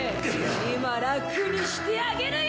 今楽にしてあげるよ！